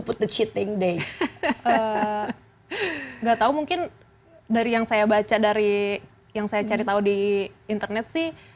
put the cheating day enggak tahu mungkin dari yang saya baca dari yang saya cari tahu di internet sih